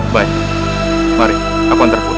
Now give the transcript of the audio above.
baik mari aku hantar pulang